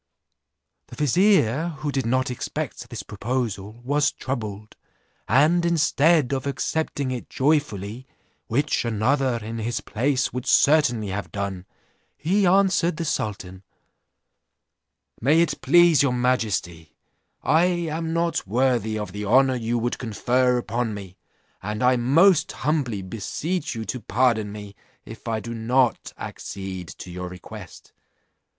The vizier, who did not expect this proposal, was troubled, and instead of accepting it joyfully, which another in his place would certainly have done, he answered the sultan: 'May it please your majesty, I am not worthy of the honour you would confer upon me, and I most humbly beseech you to pardon me, if I do not accede to your request.